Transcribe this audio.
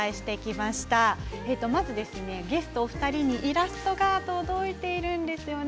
まず、ゲストお二人にイラストが届いているんですよね。